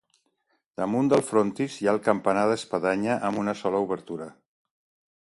Damunt del frontis hi ha el campanar d'espadanya amb una sola obertura.